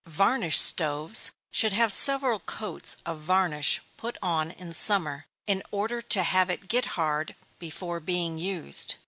_ Varnished stoves should have several coats of varnish put on in summer, in order to have it get hard, before being used.